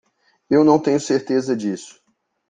Eu não tenho certeza disso.